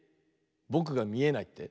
ぼくがみえないって？